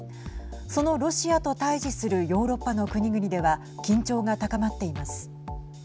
そのロシアと対じするヨーロッパの国々では緊張が高まっています。